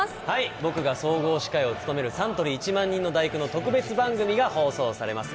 僕が総合司会を務めるサントリー１万人の第九の特別番組が放送されます。